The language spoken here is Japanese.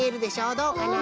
どうかな？